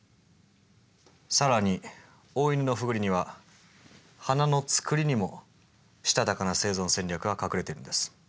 更にオオイヌノフグリには花のつくりにもしたたかな生存戦略が隠れてるんです。